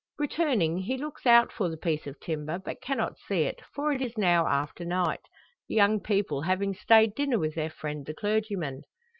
Returning, he looks out for the piece of timber; but cannot see it; for it is now after night, the young people having stayed dinner with their friend the clergyman.